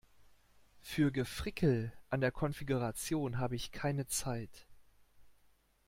Für Gefrickel an der Konfiguration habe ich keine Zeit.